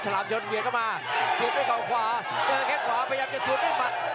ฉลามชนเวียดเข้ามาสูดให้กล่องขวาเจอแค่ขวาพยายามจะสูดให้หมัน